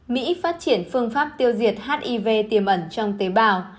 mỹ phát triển phương pháp tiêu diệt hiv tiềm ẩn trong tế bào